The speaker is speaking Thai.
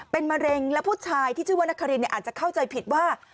เป็นมะเร็งแล้วผู้ชายที่ชื่อว่านครินอาจจะเข้าใจผิดว่า